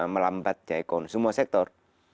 melambat jaih konsum semua sektor